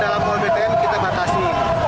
dalam mobil kita batasi